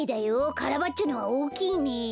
カラバッチョのはおおきいね。